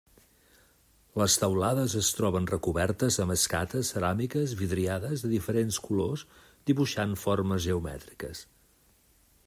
Les teulades es troben recobertes amb escates ceràmiques vidriades de diferents colors dibuixant formes geomètriques.